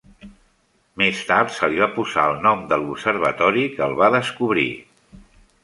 Més tard se li va posar el nom de l'observatori que el va descobrir.